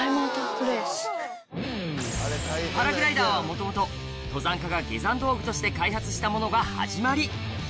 パラグライダーは元々登山家が下山道具として開発したものが始まり